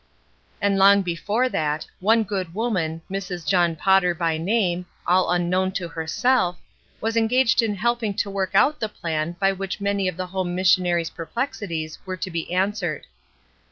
And long before that, one good woman, Mrs. John Potter by name, all unknown to herself, . was engaged in helping to work out the plan by which many of the home missionary's per plexities were to be answered.